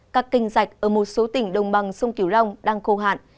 các kênh rạch ở một số tỉnh đông bằng sông kiều long đang khô hạn